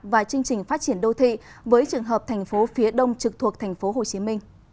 và chương trình phát triển đô thị với trường hợp tp phía đông trực thuộc tp hcm